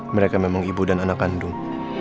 mereka memang ibu dan anak kandung